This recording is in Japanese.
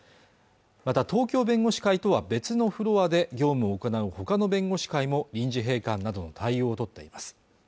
また東京弁護士会とは別のフロアで業務を行うほかの弁護士会も臨時閉館などの対応を取っています